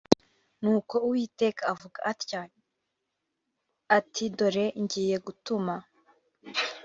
Nuko Uwiteka avuga atya ati Dore ngiye gutuma